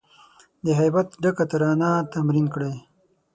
د هیبت ډکه ترانه تمرین کړی